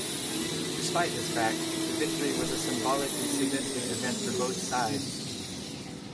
Despite this fact, the victory was a symbolically significant event for both sides.